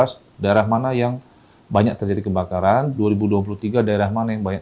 kematakan pada tahun dua ribu sembilan belas daerah mana yang banyak terjadi kebakaran dua ribu dua puluh tiga daerah mana yang banyak